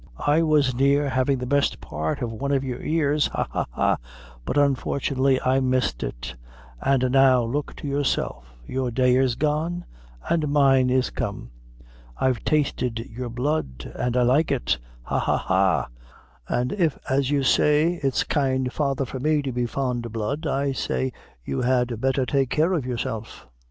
I was near havin' the best part of one of your ears ha, ha, ha! but unfortunately I missed it; an' now look to yourself. Your day is gone, an' mine is come. I've tasted your blood, an' I like it ha, ha, ha! an' if as you say it's kind father for me to be fond o' blood, I say you had better take care of yourself.